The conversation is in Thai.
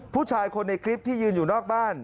ผู้ชายคนในคลิปที่ยืนอยู่นอกบ้าน